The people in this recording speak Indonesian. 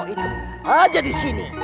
berarti dekok itu ada di sini